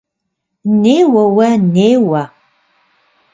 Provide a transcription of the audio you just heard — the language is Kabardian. Неуэ уэ, неуэ.